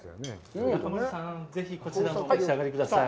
中丸さん、ぜひこちらもお召し上がりください。